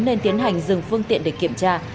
nên tiến hành dừng phương tiện để kiểm tra